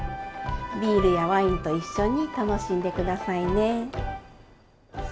ビールやワインと一緒に楽しんで下さいね。